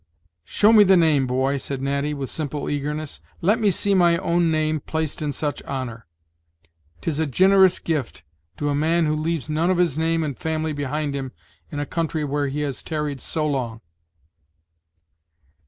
"Show me the name, boy," said Natty, with simple eagerness; "let me see my own name placed in such honor. 'Tis a gin'rous gift to a man who leaves none of his name and family behind him in a country where he has tarried so long."